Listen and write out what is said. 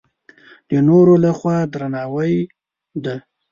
د نورو له خوا درناوی ده.